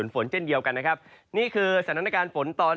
ฝนเช่นเดียวกันนะครับนี่คือสถานการณ์ฝนตอน